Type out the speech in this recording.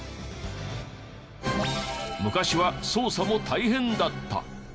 昔は捜査も大変だった。